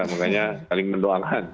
makanya saling mendoakan